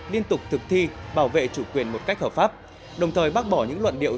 liên tục thực thi bảo vệ chủ quyền một cách hợp pháp đồng thời bác bỏ những luận điệu